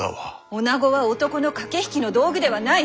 おなごは男の駆け引きの道具ではない！